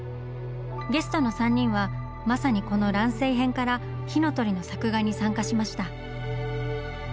ゲストの３人はまさにこの「乱世編」から「火の鳥」の作画に参加しました。